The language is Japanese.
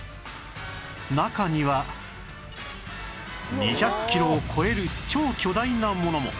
中には２００キロを超える超巨大なものも